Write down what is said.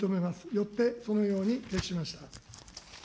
よって、このように決しました。